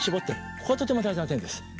こことても大事な点です。